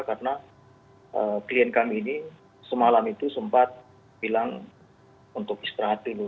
karena klien kami ini semalam itu sempat bilang untuk istirahat dulu